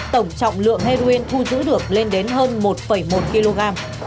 tổng trọng lượng heroin thu giữ được lên đến hơn một một kg